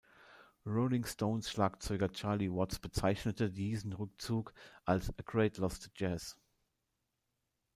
Rolling Stones Schlagzeuger Charlie Watts bezeichnete diesen Rückzug als "„a great loss to jazz“".